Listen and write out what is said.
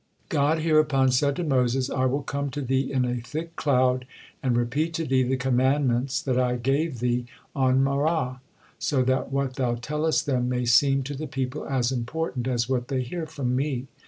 God hereupon said to Moses: "I will come to thee in a thick cloud and repeat to thee the commandments that I gave thee on Marah, so that what thou tellest them may seem to the people as important as what they hear from Me.